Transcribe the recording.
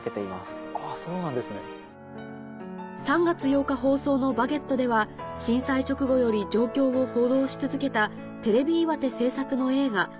３月８日放送の『バゲット』では震災直後より状況を報道し続けたテレビ岩手製作の映画